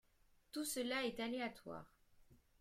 Tout cela est aléatoire.